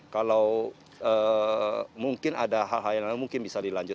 kalau mungkin ada hal hal yang lain mungkin bisa dilanjut